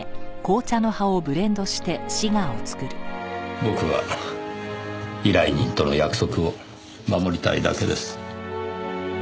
僕は依頼人との約束を守りたいだけです。